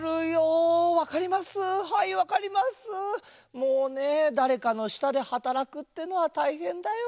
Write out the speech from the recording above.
もうねだれかのしたではたらくってのはたいへんだよ。